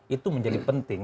itu menjadi penting